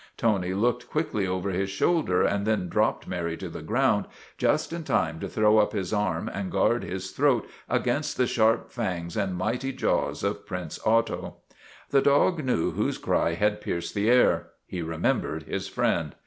Tony looked quickly over his shoulder and then dropped Mary to the ground just in time to throw up his arm and guard his throat against the sharp fangs and mighty jaws of Prince Otto. The dog knew whose cry had pierced the air; he remembered his friend.